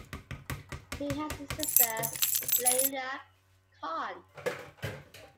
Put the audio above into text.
He has a sister Laila Khan.